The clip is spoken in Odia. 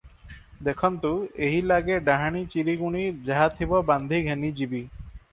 ଦେଖନ୍ତୁ, ଏହିଲାଗେ ଡାହାଣୀ ଚିରିଗୁଣୀ ଯାହାଥିବ ବାନ୍ଧି ଘେନିଯିବି ।"